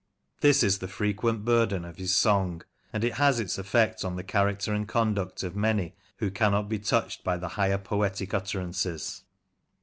This is the frequent burden of his song, and it has its effect yohn Critehley Prince, 7 on the character and conduct of many who cannot be touched by the higher poetic utterances.